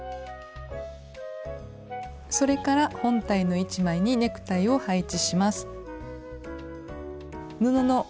それから本体の１枚にネクタイを配置します。